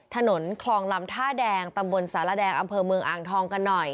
ถนนคลองลำท่าแดงตำบลสารแดงอำเภอเมืองอ่างทองกันหน่อย